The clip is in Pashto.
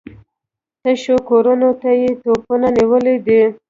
تشو کورونو ته يې توپونه نيولي دي.